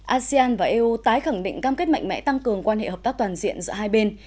asean và eu tái khẳng định cam kết mạnh mẽ tăng cường quan hệ hợp tác toàn diện giữa hai bên